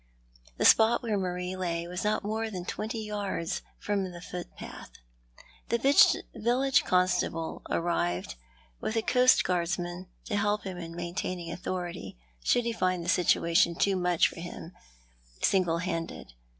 The spot where Marie lay was not more than twenty yards from the footpath. The village constable arrived, with a coastguardsman to help him in maintaining authority, should he find the situation too much for him single handed.